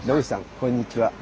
こんにちは。